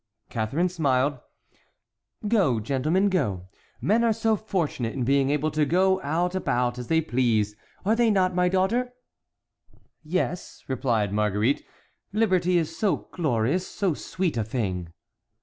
Catharine smiled. "Go, gentlemen, go—men are so fortunate in being able to go about as they please! Are they not, my daughter?" "Yes," replied Marguerite, "liberty is so glorious, so sweet a thing."